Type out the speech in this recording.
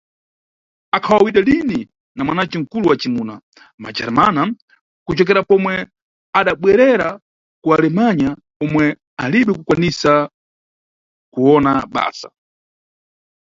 Akhawawidwa lini na mwanace mkulu wa cimuna Madjarmana, kucokera pomwe adabwerera ku Alemanha, omwe alibe kukwanisa kuwona basa.